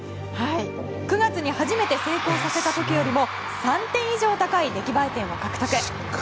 ９月に初めて成功させた時よりも３点以上高い出来栄え点を獲得。